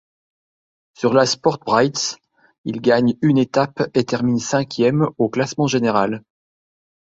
Sur La SportBreizh, il gagne une étape et termine cinquième du classement général.